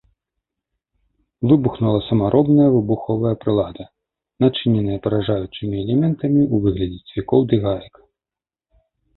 Выбухнула самаробная выбуховая прылада, начыненая паражаючымі элементамі ў выглядзе цвікоў ды гаек.